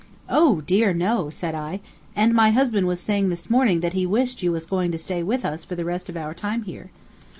"Oh, dear, no," said I; "and my husband was saying this morning that he wished you was going to stay with us the rest of our time here."